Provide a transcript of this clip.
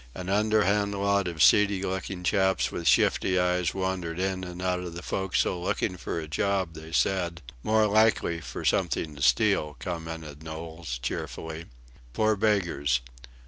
An underhand lot of seedy looking chaps with shifty eyes wandered in and out of the forecastle looking for a job they said. "More likely for something to steal," commented Knowles, cheerfully. Poor beggars.